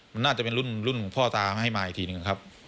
มันน่าจะเป็นรุ่นพ่อตามาให้มาอีกทีหนึ่งครับ